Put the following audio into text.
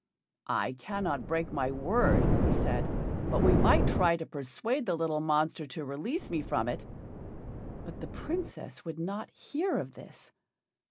"I cannot break my word," he said, "but we might try to persuade the little monster to release me from it." But the Princess would not hear of this.